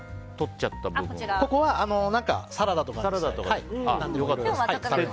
ここはサラダとかにして。